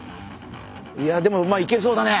いやでもいけそうだね。